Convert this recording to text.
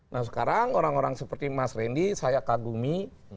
nah sekarang orang orang seperti mas randy saya kagumi